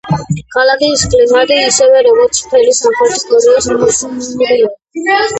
ქალაქის კლიმატი ისევე, როგორც მთელი სამხრეთი კორეის, მუსონურია.